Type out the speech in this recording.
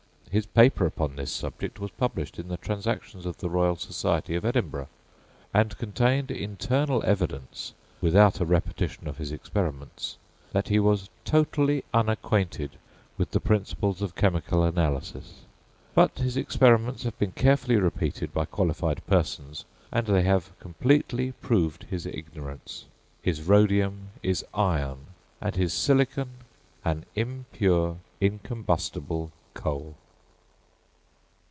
His paper upon this subject was published in the Transactions of the Royal Society of Edinburgh, and contained internal evidence, without a repetition of his experiments, that he was totally unacquainted with the principles of chemical analysis. But his experiments have been carefully repeated by qualified persons, and they have completely proved his ignorance: his rhodium is iron, and his silicon an impure incombustible coal.